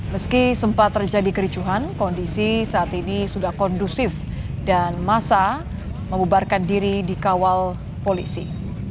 meski sempat terjadi kericuhan kondisi saat ini sudah kondusif dan massa membubarkan diri di kawal polisi